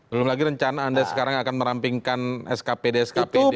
belum lagi rencana anda sekarang akan merampingkan skp di skp